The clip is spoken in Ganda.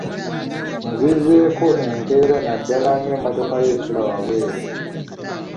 Muzizzeeko enkeera naddala ng'emmotokayo esula wabweru.